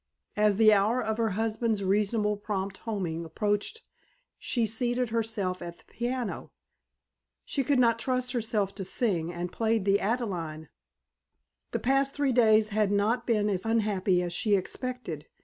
As the hour of her husband's reasonably prompt homing approached she seated herself at the piano. She could not trust herself to sing, and played the "Adelaide." The past three days had not been as unhappy as she had expected.